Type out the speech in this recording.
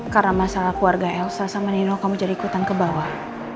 karena masalah keluarga elsa sama nino kamu jadi ikutan ke bawah